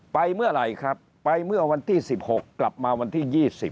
ไปเมื่อไหร่ครับไปเมื่อวันที่๑๖กลับมาวันที่๒๐